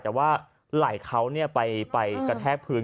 แต่ว่าไหล่เขาไปกระแทกพื้น